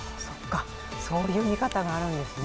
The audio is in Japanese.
そういう見方があるんですね。